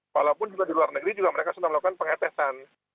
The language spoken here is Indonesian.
walaupun juga di luar negeri juga mereka sudah melakukan pengetesan